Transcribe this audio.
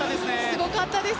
すごかったです。